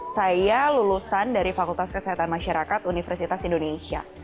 saya lulusan dari fakultas kesehatan masyarakat universitas indonesia